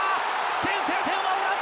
先制点はオランダ。